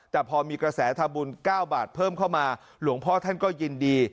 แต่พอมีกระแสทำบุญ๙บาทเพิ่มเข้ามาหลวงพ่อท่านก็ยินดี